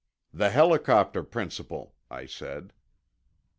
"The helicopter principle," I said.